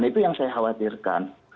itu yang saya khawatirkan